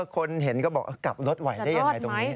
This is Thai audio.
คนเห็นก็บอกกลับรถไหวได้ยังไงตรงนี้